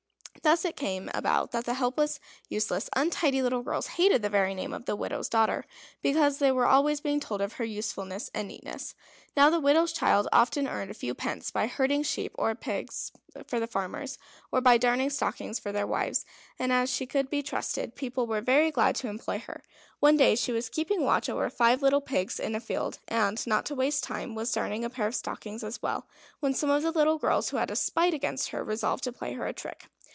Thus it came about that the helpless, useless, untidy little girls hated the very name of the widow's daughter, because they were always being told of her usefulness and neatness. Now the widow's child often earned a few pence by herding sheep or pigs for the farmers, or by darning stockings for their wives, and as she could be trusted, people were very glad to employ her. One day she was keeping watch over five little pigs in a field, and, not to waste time, was darning a pair of stockings as well, when some of the little girls who had a spite against her resolved to play her a trick.